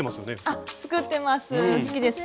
あっ作ってます